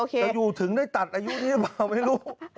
แต่อยู่ถึงได้ตัดอายุนี้หรือเปล่าไม่รู้